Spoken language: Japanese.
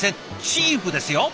チーフですよ。